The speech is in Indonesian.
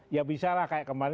ya bisa lah kayak kemarin